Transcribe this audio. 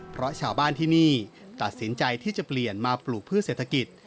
เพราะชาวบ้านที่นี่ตัดสินใจที่จะเปลี่ยนมาปลูกพืชเศรษฐกิจ